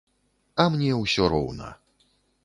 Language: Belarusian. А мне ўсё роўна.